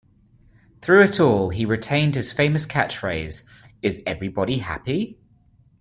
Through it all he retained his famous catchphrase Is everybody happy?